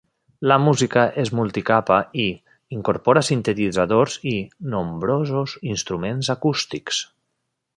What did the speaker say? La música és multicapa i incorpora sintetitzadors i nombrosos instruments acústics.